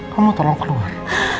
kamu tolong keluar